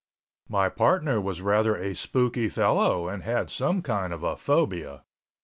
My partner was rather a spooky fellow and had some kind of a phobia.